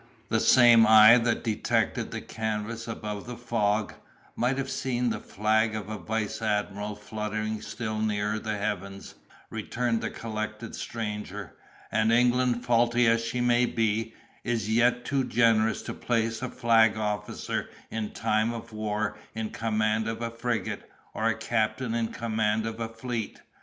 "The same eye that detected the canvas above the fog, might have seen the flag of a vice admiral fluttering still nearer the heavens," returned the collected stranger; "and England, faulty as she may be, is yet too generous to place a flag officer in time of war in command of a frigate, or a captain in command of a fleet.